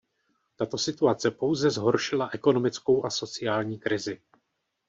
Tato situace pouze zhoršila ekonomickou a sociální krizi.